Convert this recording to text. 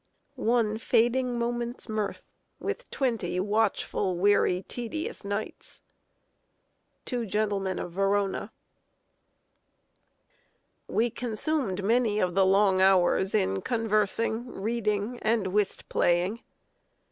One fading moment's mirth, With twenty watchful, weary, tedious nights. TWO GENTLEMEN OF VERONA. [Sidenote: A WAGGISH JOURNALIST.] We consumed many of the long hours in conversing, reading, and whist playing.